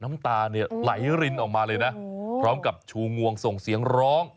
น้ำตาเนี่ยไหลรินออกมาเลยนะพร้อมกับชูงวงส่งเสียงร้อง